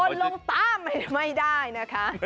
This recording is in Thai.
ลงตามไม่ได้นะคะ